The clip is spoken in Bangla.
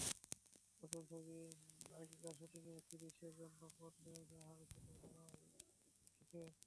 নতুন ছবি আকিরার শুটিংয়ের একটি দৃশ্যের জন্য পথে নামতে হয়েছিল সোনাক্ষীকে।